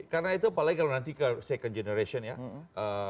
karena itu apalagi kalau nanti ke second generation ya